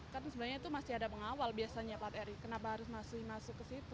karena sebenarnya itu masih ada pengawal biasanya plat ri kenapa harus masih masuk ke situ